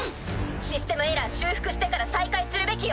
システムエラー修復してから再開するべきよ。